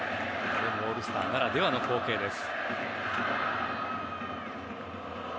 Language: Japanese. これもオールスターならではの光景です。